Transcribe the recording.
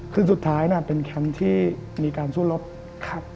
คือสุดท้ายน่ะเป็นแคมป์ที่มีการสู้รบครับ